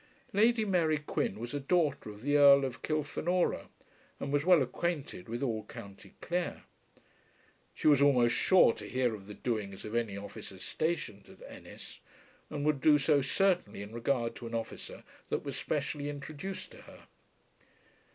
Lady Mary Quin was a daughter of the Earl of Kilfenora, and was well acquainted with all County Clare. She was almost sure to hear of the doings of any officers stationed at Ennis, and would do so certainly in regard to an officer that was specially introduced to her.